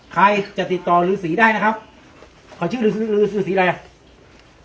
ใครจะติดต่อรื้อสีได้นะครับขอชื่อรื้อสีรื้อสีรื้อสีอะไรล่ะ